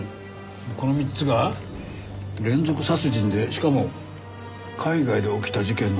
この３つが連続殺人でしかも海外で起きた事件の模倣だと？